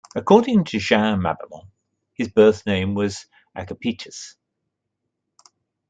According to Jean Mabillon, his birth name was Agapitus.